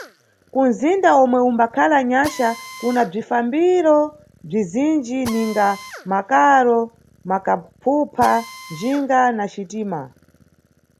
Kunʼzinda omwe umbakhala Nyaxa kuna bzifambiro bzizinji ninga makaro, makaphupha, njinga na xitima.